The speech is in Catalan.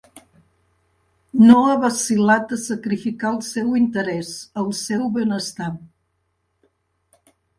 No ha vacil·lat a sacrificar el seu interès, el seu benestar.